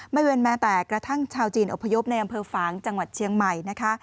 ไม่เว้นแม้แต่กระทั่งชาวจีนอพยพในอำเภอฝางจังหวัดเชียงใหม่นะคะ